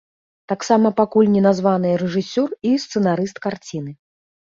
Таксама пакуль не названыя рэжысёр і сцэнарыст карціны.